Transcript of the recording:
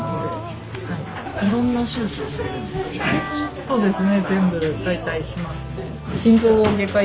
そうですね。